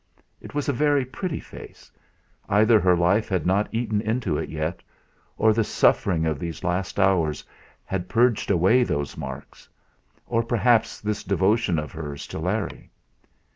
It was a very pretty face either her life had not eaten into it yet, or the suffering of these last hours had purged away those marks; or perhaps this devotion of hers to Larry.